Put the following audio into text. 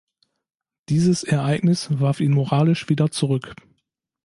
Dieses Ereignis warf ihn moralisch wieder zurück.